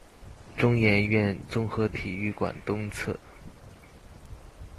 中研院綜合體育館東側